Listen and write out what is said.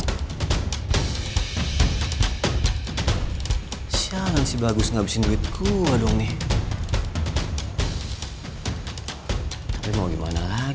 terima kasih ya